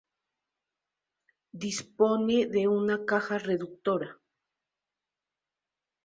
Dispone de una caja reductora.